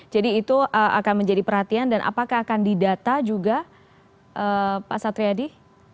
jadi itu akan menjadi perhatian dan apakah akan didata juga pak satri adi